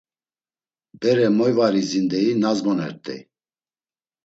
Bere moy var iziren deyi nazmonert̆ey.